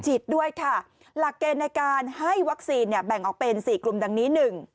ฉีดด้วยค่ะหลักเกณฑ์ในการให้วัคซีนแบ่งออกเป็น๔กลุ่มดังนี้